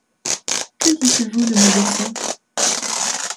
Que dites-vous de mon dessein ?